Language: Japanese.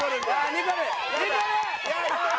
ニコル！